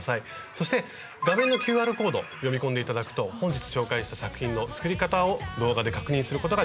そして画面のＱＲコード読み込んで頂くと本日紹介した作品の作り方を動画で確認することができます。